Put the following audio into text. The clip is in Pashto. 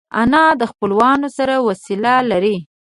انا د خپلوانو سره وصله لري